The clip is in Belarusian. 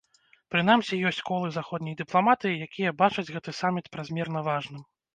Прынамсі ёсць колы заходняй дыпламатыі, якія бачаць гэты саміт празмерна важным.